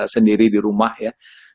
sendiri di rumah ya